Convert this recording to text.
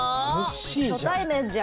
初対面じゃん。